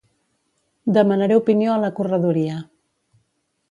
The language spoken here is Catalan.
Demanaré opinió a la corredoria